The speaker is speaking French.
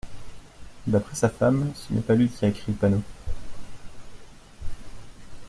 D’après sa femme, ce n’est pas lui qui a écrit le panneau